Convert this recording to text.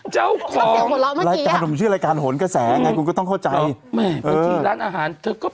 เจ้าของรายการผมชื่อรายการหนกระแสไงกูก็ต้องเข้าใจ